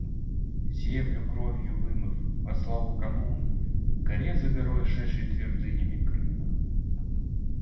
Землю кровью вымыв, во славу коммуны, к горе за горой шедший твердынями Крыма.